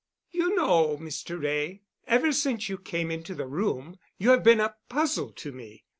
"You know, Mr. Wray, ever since you came into the room you have been a puzzle to me.